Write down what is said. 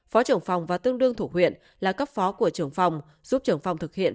phó trưởng phòng và tương đương thủ huyện là cấp phó của trưởng phòng giúp trưởng phòng thực hiện